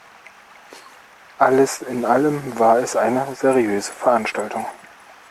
Alles in allem war es eine seriöse Veranstaltung.